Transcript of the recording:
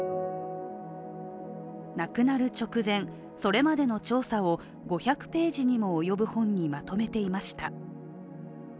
亡くなる直前、それまでの調査を５００ページにも及ぶ本にまとめていました。